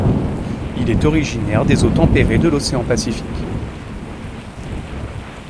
Il est originaire des eaux tempérées de l'océan Pacifique.